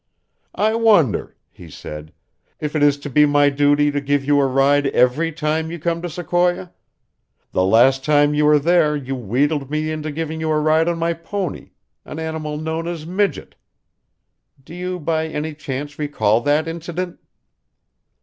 "I wonder," he said, "if it is to be my duty to give you a ride every time you come to Sequoia? The last time you were there you wheedled me into giving you a ride on my pony, an animal known as Midget. Do you, by any chance, recall that incident?"